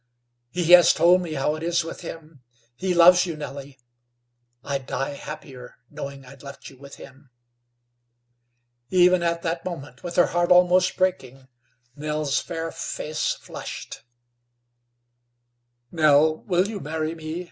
"He has told me how it is with him. He loves you, Nellie. I'd die happier knowing I'd left you with him." Even at that moment, with her heart almost breaking, Nell's fair face flushed. "Nell, will you marry me?"